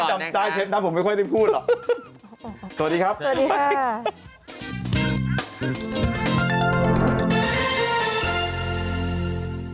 โอเคจำใจเทปนั้นผมไม่ค่อยได้พูดหรอกสวัสดีครับสวัสดีค่ะสวัสดีค่ะ